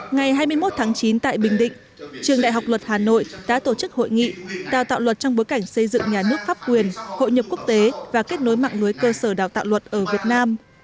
ngày hai mươi một tháng chín tại bình định trường đại học luật hà nội đã tổ chức hội nghị đào tạo luật trong bối cảnh xây dựng nhà nước pháp quyền hội nhập quốc tế và kết nối mạng lưới cơ sở đào tạo luật ở việt nam